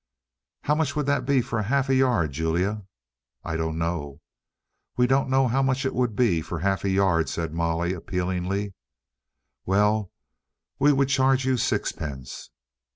"How much would that be for half a yard, Julia?" "I don't know." "We don't know how much it would be for half a yard," said Molly appealingly. "Well, we would charge you sixpence."